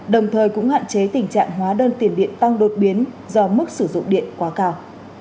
đồng thời cũng hạn chế tình trạng hóa đơn tiền điện tăng đột biến do mức sử dụng điện quá cao